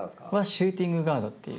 シューティングガードっていう。